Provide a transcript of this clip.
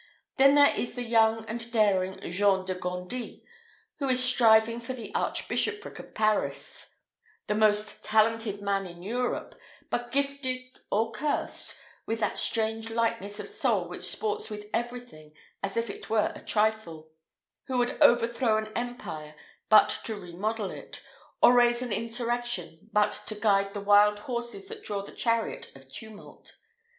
Then there is the young and daring Jean de Gondi, who is striving for the archbishopric of Paris; the most talented man in Europe, but gifted or cursed with that strange lightness of soul which sports with everything as if it were a trifle who would overthrow an empire but to re model it, or raise an insurrection but to guide the wild horses that draw the chariot of tumult.